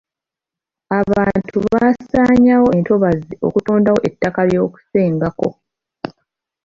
Abantu basaanyawo entobazi okutondawo ettaka ly'okusenga ko.